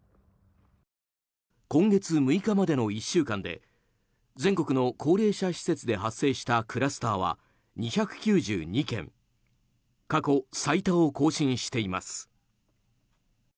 今月６日までの１週間で全国の高齢者施設で発生したクラスターは２９２件過去最多を更新しています。